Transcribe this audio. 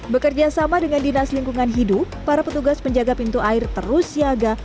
bekerja sama dengan dinas lingkungan hidup para petugas penjaga pintu air terus siaga